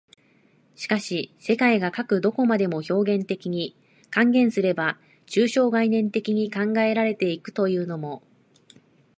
しかし世界がかく何処までも表現的に、換言すれば抽象概念的に考えられて行くというのも、